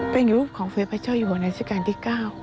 เป็นรูปของเวียบพระเจ้าอยู่หัวนาศิการที่๙